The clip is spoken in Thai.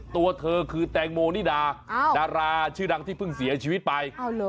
ตัวเธอคือแตงโมนิดาดาราชื่อดังที่เพิ่งเสียชีวิตไป